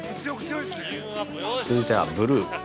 続いては、ブルー。